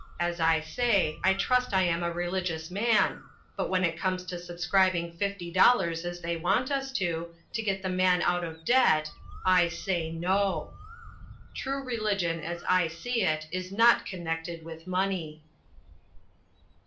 As I say, I trust I am a religious man, but when it comes to subscribing fifty dollars as they want us to, to get the man out of debt, I say "No." True religion, as I see it, is not connected with money.